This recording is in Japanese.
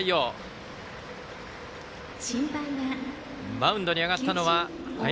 マウンドに上がったのは、林。